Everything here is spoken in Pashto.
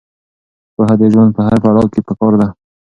پوهه د ژوند په هر پړاو کې پکار ده.